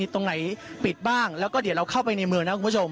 ตรงไหนปิดบ้างแล้วก็เดี๋ยวเราเข้าไปในเมืองนะคุณผู้ชม